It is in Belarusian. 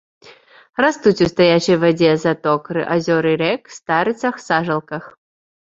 Растуць у стаячай вадзе заток азёр і рэк, старыцах, сажалках.